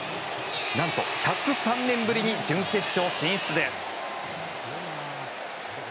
何と１０３年ぶりに準決勝進出です。